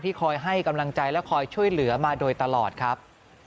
คอยให้กำลังใจและคอยช่วยเหลือมาโดยตลอดครับ